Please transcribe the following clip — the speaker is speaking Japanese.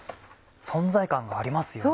存在感がありますよね。